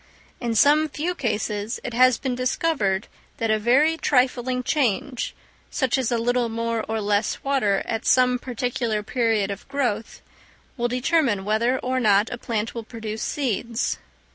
In some few cases it has been discovered that a very trifling change, such as a little more or less water at some particular period of growth, will determine whether or not a plant will produce seeds.